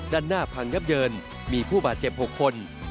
ด้านหน้าพังยับเยินมีผู้บาดเจ็บ๖คน